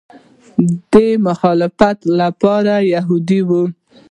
د مخالفت لپاره یهودي وي.